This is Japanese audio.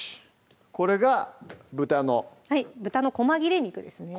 これが豚の豚のこま切れ肉ですね